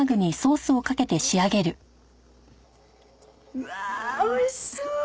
うわあおいしそう！